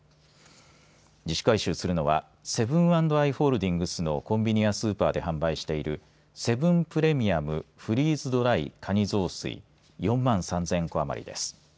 自主回収するのはセブン＆アイ・ホールディングスのコンビニやスーパーで販売しているセブンプレミアムフリーズドライかにぞうすい４万３０００個余りです。